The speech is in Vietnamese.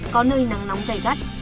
có nơi nắng nóng gây gắt